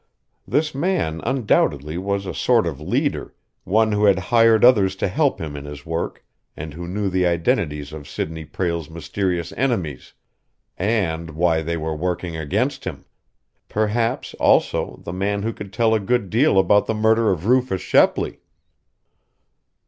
This man, undoubtedly, was a sort of leader, one who had hired others to help him in his work and who knew the identities of Sidney Prale's mysterious enemies, and why they were working against him; perhaps, also, the man who could tell a good deal about the murder of Rufus Shepley.